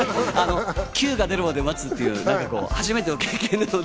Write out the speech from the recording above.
キュが出るまで待つっていう、初めての経験なので。